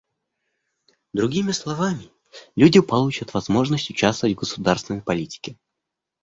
Другими словами, люди получат возможность участвовать в государственной политике.